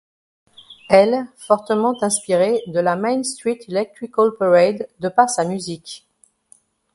Elle fortement inspiré de la Main Street Electrical Parade de par sa musique.